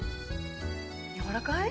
やわらかい？